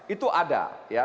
itu ada ya